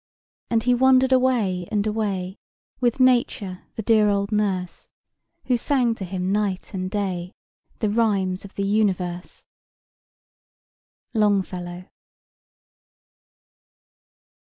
"And he wandered away and away With Nature, the dear old Nurse, Who sang to him night and day The rhymes of the universe." LONGFELLOW.